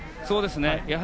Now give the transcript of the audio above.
そうですね。